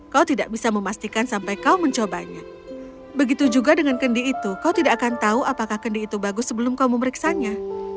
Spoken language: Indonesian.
kau tidak bisa memastikan sampai kau mencobanya begitu juga dengan kendi itu kau tidak akan tahu apakah kendi itu bagus sebelum kau memeriksanya